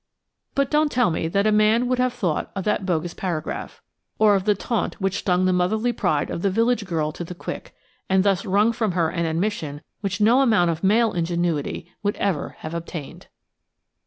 But don't tell me that a man would have thought of that bogus paragraph, or of the taunt which stung the motherly pride of the village girl to the quick, and thus wrung from her an admission which no amount of male ingenuity would ever have obtained.